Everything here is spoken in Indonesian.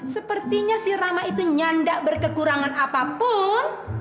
sepertinya si rama itu nyandak berkekurangan apapun